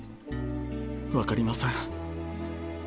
分かりません。